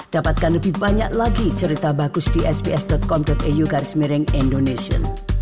dapatkan lebih banyak lagi cerita bagus di sps com eu garis miring indonesia